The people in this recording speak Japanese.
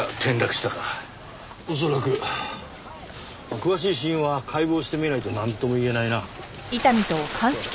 詳しい死因は解剖してみないとなんとも言えないな。